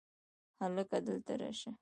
هلکه! دلته راشه!